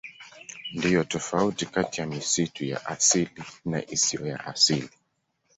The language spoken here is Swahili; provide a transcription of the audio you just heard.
Ndiyo tofauti kati ya misitu ya asili na isiyo ya asili.